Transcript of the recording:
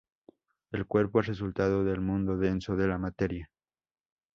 El cuerpo es resultado del mundo denso, de la materia.